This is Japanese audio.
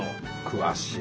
詳しい！